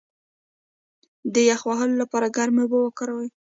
د یخ وهلو لپاره ګرمې اوبه وکاروئ